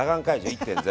１．０。